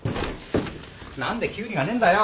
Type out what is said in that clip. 何でキュウリがねえんだよ？